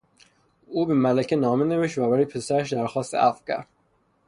او به ملکه نامه نوشت و برای پسرش درخواست عفو کرد.